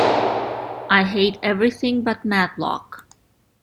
I hate everything but "Matlock".